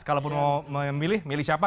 kalaupun mau memilih milih siapa